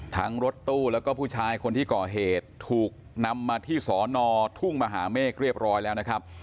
รถตู้แล้วก็ผู้ชายคนที่ก่อเหตุถูกนำมาที่สอนอทุ่งมหาเมฆเรียบร้อยแล้วนะครับ